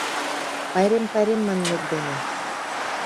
Пайрем, пайрем манмет дене